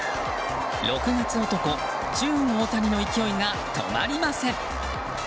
６月男、ジューン・オオタニの勢いが止まりません。